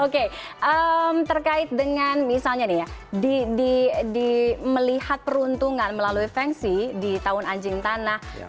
oke terkait dengan misalnya nih ya melihat peruntungan melalui fengsi di tahun anjing tanah